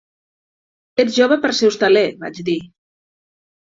"Ets jove per ser hostaler", vaig dir.